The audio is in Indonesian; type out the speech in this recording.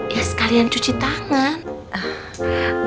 ya sekalian cuci tangan